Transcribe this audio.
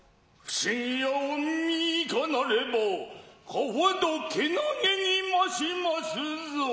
不思議や御身いかなればかほど健気にましますぞ。